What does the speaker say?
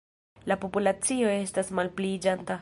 La populacio estas malpliiĝanta.